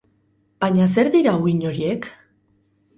Baina zer dira uhin horiek?